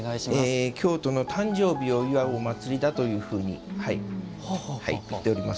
「京都の誕生日」を祝うお祭りだというふうに。